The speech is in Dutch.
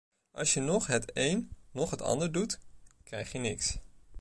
Als je noch het een, noch het ander doet, krijg je niks.